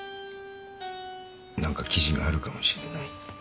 何か記事があるかもしれない。